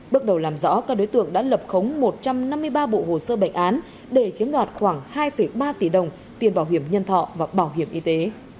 bước đầu làm rõ các đối tượng đã lập khống một trăm năm mươi ba bộ hồ sơ bệnh án để chiếm đoạt khoảng hai ba tỷ đồng tiền bảo hiểm nhân thọ và bảo hiểm y tế